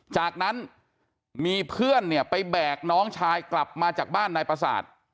จากนั้นมีเพื่อนเนี่ยไปแบกน้องชายกลับมาจากบ้านนายประสาท